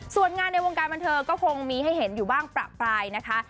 ส่วนงานในวงการบันเทิงก็คงมีให้เห็นอยู่บ้างประปรายนะคะ